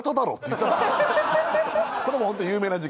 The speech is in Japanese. これはもうホント有名な事件。